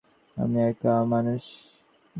আমি একা মানুষ।